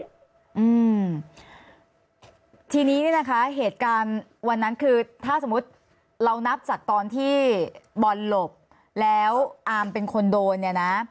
อืมทีนี้เนี่ยนะคะเหตุการณ์วันนั้นคือถ้าสมมุติเรานับจากตอนที่บอลหลบแล้วอามเป็นคนโดนเนี่ยนะ